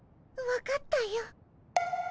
分かったよ。